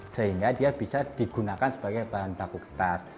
sehingga dia bisa digunakan sebagai bahan baku kertas